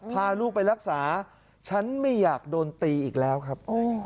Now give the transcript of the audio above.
พาลูกไปรักษาฉันไม่อยากโดนตีอีกแล้วครับ